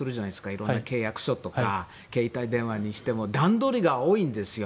いろんな契約書とか携帯電話にしても段取りが多いんですよ。